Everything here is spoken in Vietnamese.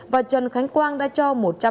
và trần khánh quang đã cho